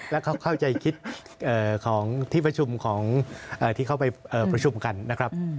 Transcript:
และเข้าใจคิดของที่เข้าไปประชุมกันนะครับ